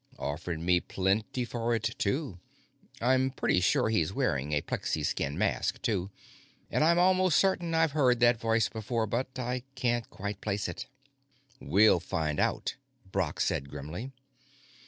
Offered me plenty for it, too. I'm pretty sure he's wearing a plexiskin mask, too; and I'm almost certain I've heard that voice before, but I can't quite place it." "We'll find out," Brock said grimly.